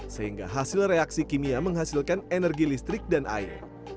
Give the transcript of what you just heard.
sehingga hasil reaksi kimia menghasilkan energi listrik dan air